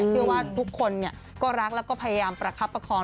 เชื่อว่าทุกคนก็รักแล้วก็พยายามประคับประคอง